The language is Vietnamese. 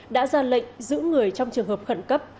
đã ra lệnh giữ người trong trường hợp khẩn cấp